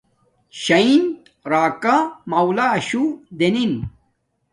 شین راکا مولاشوہ دینن